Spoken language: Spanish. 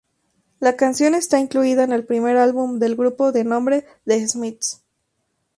La canción está incluida en el primer álbum del grupo de nombre "The Smiths".